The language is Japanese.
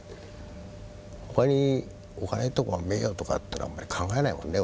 他にお金とか名誉とかってのはあんまり考えないもんね